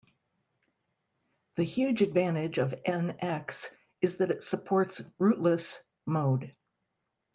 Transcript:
The huge advantage of NX is that it supports "rootless" mode.